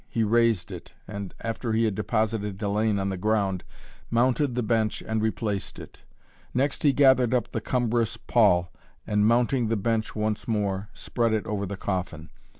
He raised it and, after he had deposited Hellayne on the ground, mounted the bench and replaced it. Next he gathered up the cumbrous pall and, mounting the bench once more, spread it over the coffin.